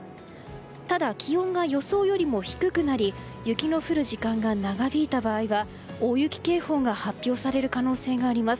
ただ、気温が予想よりも低くなり雪の降る時間が長引いた場合は大雪警報が発表される可能性があります。